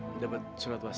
hai dapat surat was sv